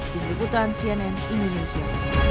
diributan cnn indonesia